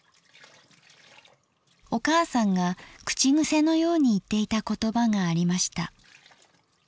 お母さんが口癖のように言っていた言葉がありました。